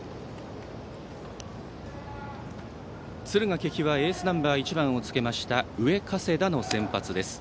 敦賀気比はエースナンバー１番をつけました上加世田の先発です。